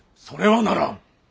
それはならん。